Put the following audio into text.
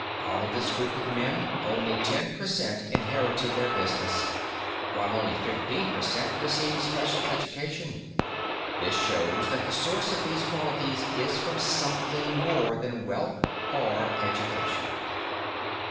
Out of this group of men, only ten per cent. inherited their business, while only fifteen per cent. received special education. This shows that the source of these qualities is from something more than wealth or education.